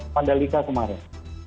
pada lika kemarin